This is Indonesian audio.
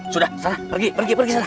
sudah sana pergi pergi pergi